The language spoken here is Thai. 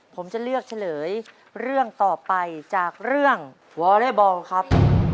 ผมจะเลือกเฉลยเรื่องต่อไปจากเรื่องวอเล่บอลครับ